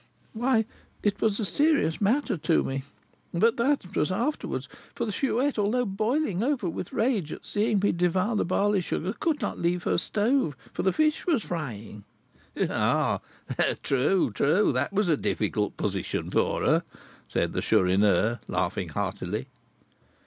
"Why, it was a serious matter to me, but that was afterwards; for the Chouette, although boiling over with rage at seeing me devour the barley sugar, could not leave her stove, for the fish was frying." "Ha! ha! ha! True, true, that was a difficult position for her," said the Chourineur, laughing heartily.